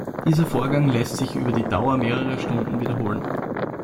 Dieser Vorgang lässt sich über die Dauer mehrerer Stunden wiederholen.